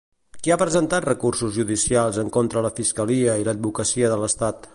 Qui ha presentat recursos judicials en contra la Fiscalia i l'Advocacia de l'Estat?